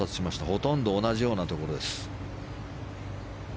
ほとんど同じようなところです。